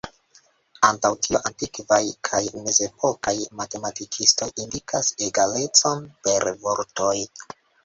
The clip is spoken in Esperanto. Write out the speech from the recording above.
Antaŭ tio antikvaj kaj mezepokaj matematikistoj indikas egalecon per vortoj.